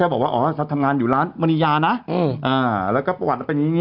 บอกว่าอ๋อฉันทำงานอยู่ร้านมณียานะแล้วก็ประวัติมันเป็นอย่างนี้